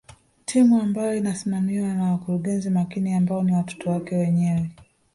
Timu ambayo inasimamiwa na wakurugenzi makini ambao ni watoto wake mwenyewe